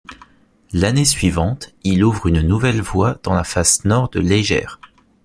L'année suivante, il ouvre une nouvelle voie dans la face nord de l'Eiger.